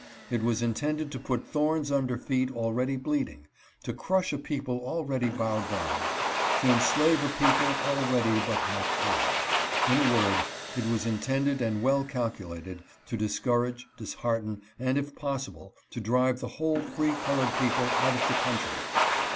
It was intended to put thorns under feet already bleeding; to crush a people already bowed down ; to enslave a people already but half free; 366 BLACK LAW OF ILLINOIS. in a word, it was intended and well calculated to discourage, dis hearten, and if possible to drive the whole free colored people out of the country.